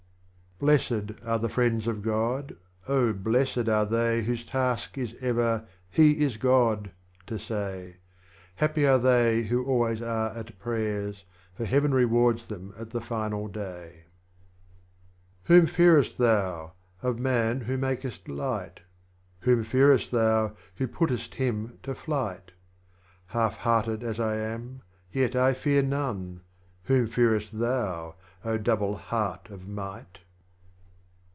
Blessed are the Friends of God, Oh, blessed are they Whose Task is ever " He is God " to say ; Happy are they who always are at Prayers, For Heaven rewards them at the Final Day. 41. Whom fearest Thou, of Man who makest light ? Whom fearest Thou, Who puttest him to flight ? Half hearted as I am, yet I fear none ; Whom fearest Thou, Double Heart of might